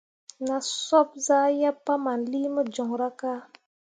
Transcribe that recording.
Na soɓ zah yeb pahmanlii mo joŋra ka.